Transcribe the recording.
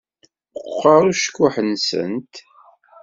Meqqeṛ ucekkuḥ-nsent.